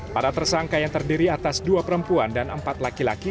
para tersangka yang terdiri atas dua perempuan dan empat laki laki